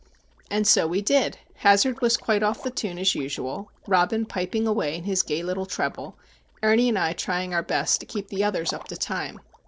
And so we did! Hazard quite off the tune, as usual, Robin piping away in his gay little treble, Ernie and I trying our best to keep the others up to time.